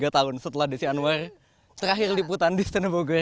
dua puluh tiga tahun setelah desi anwar terakhir liputan di istana bogor